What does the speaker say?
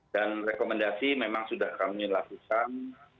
dan rekomendasi memang sudah kami lakukan